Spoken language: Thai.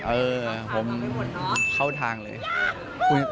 เออผมเข้าทางเลย